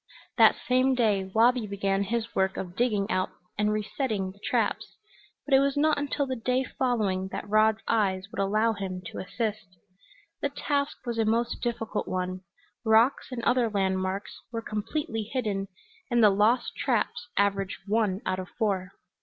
That same day Wabi began his work of digging out and resetting the traps, but it was not until the day following that Rod's eyes would allow him to assist. The task was a most difficult one; rocks and other landmarks were completely hidden, and the lost traps averaged one out of four.